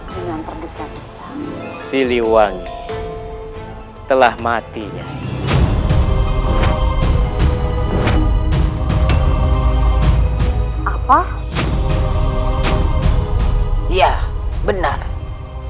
benar nya amuk marugul melihatnya silhewangi mati tertusuk oleh tambak tulung vaak yang menunggu